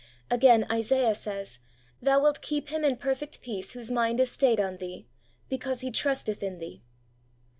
Again, Isaiah says :' Thou wilt keep him in perfect peace whose mind is stayed on Thee; because he trusteth in Thee.